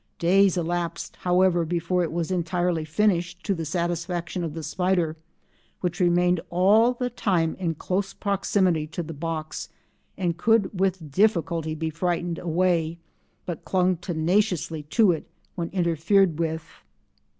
Days elapsed, however, before it was entirely finished to the satisfaction of the spider, which remained all the time in close proximity to the box and could with difficulty be frightened away, but clung tenaciously to it when interfered with.